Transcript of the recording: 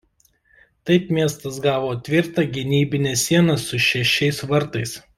Taip miestas gavo tvirtą gynybinę sieną su šešiais vartais.